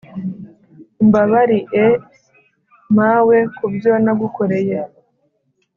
umbabarie mawe kubyo nagukoreye